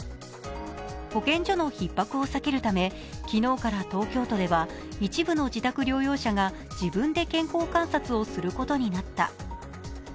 保健所のひっ迫を避けるため昨日から東京都では一部の自宅療養者が自分で健康観察をすることになった。